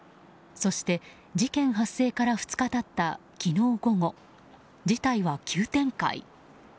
そして、事件発生から２日経った昨日午後事態は急展開。